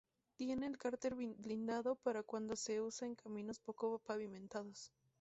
Tiene el cárter blindado para cuando se usa en caminos poco pavimentados.